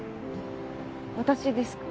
私ですか？